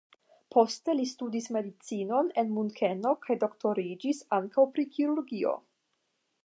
Poste li studis medicinon en Munkeno kaj doktoriĝis ankaŭ pri kirurgio.